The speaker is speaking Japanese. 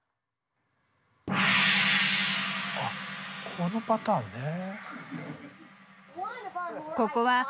あっこのパターンね。